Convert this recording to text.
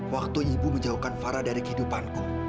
waktu ibu menjauhkan farah dari kehidupanku